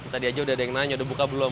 tadi aja udah ada yang nanya udah buka belum